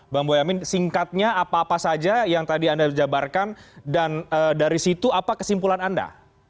bang boyamin singkatnya apa apa saja yang tadi anda jabarkan dan dari situ apa kesimpulan anda